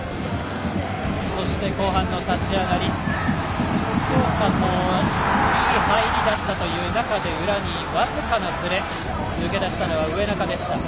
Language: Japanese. そして、後半の立ち上がりいい入りだったという中で裏に僅かなずれ抜け出したのは植中。